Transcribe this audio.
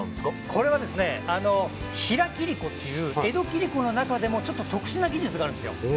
これは平切子という江戸切子の中でもちょっと特殊な技術があるんですよ。